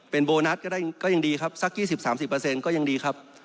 เป็นโบนัสก็ยังดีครับสัก๒๐๓๐ก็ยังดีครับ